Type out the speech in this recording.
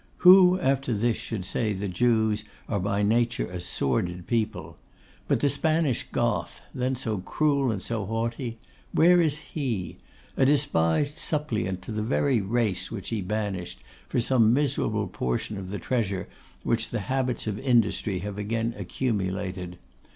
Who after this should say the Jews are by nature a sordid people? But the Spanish Goth, then so cruel and so haughty, where is he? A despised suppliant to the very race which he banished, for some miserable portion of the treasure which their habits of industry have again accumulated.